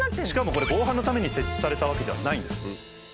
しかもこれ防犯のために設置されたわけではないんです。